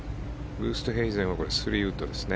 ウーストヘイゼンは３ウッドですね。